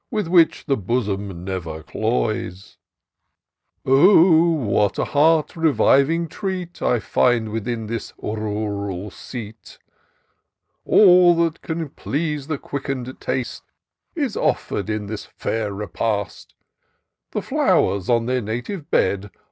With which the bosom never cloys ! Oh ! what a heart reviving treat I find within this rural seat ! All that can please the quicken'd taste Is offer'd in this fair repast. The flowers, on their native bed.